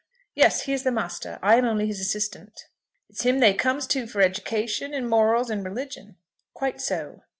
"Yes, he is the master; I am only his assistant." "It's him they comes to for education, and morals, and religion?" "Quite so."